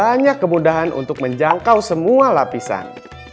banyak kemudahan untuk menjangkau semua lapisan